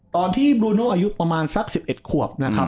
ตอนที่บลูโน่อายุประมาณสัก๑๑ขวบนะครับ